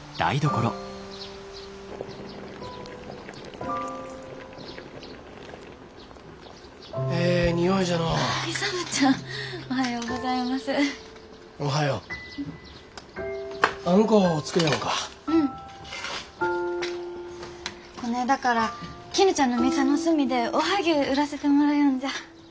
こねえだからきぬちゃんの店の隅でおはぎゅう売らせてもらよんじゃ。